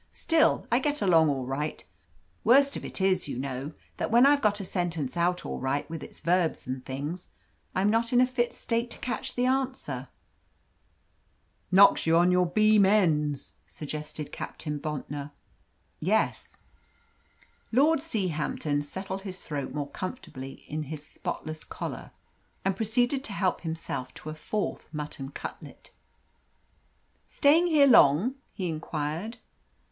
Still, I get along all right. Worst of it is, you know, that when I've got a sentence out all right with its verbs and things, I'm not in a fit state to catch the answer." "Knocks you on to your beam ends," suggested Captain Bontnor. "Yes." Lord Seahampton settled his throat more comfortably in his spotless collar, and proceeded to help himself to a fourth mutton cutlet. "Staying here long?" he inquired.